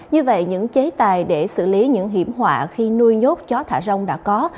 như vậy những chế tài để xử lý những hiểm họa khi nuôi nhốt chó thả rông đã có